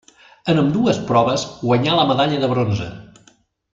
En ambdues proves guanyà la medalla de bronze.